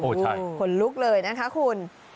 ใช่ขนลุกเลยนะคะคุณ